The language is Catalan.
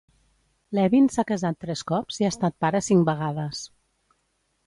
Levin s'ha casat tres cops i ha estat pare cinc vegades.